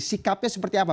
sikapnya seperti apa